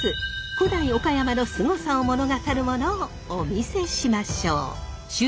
古代岡山のスゴさを物語るモノをお見せしましょう！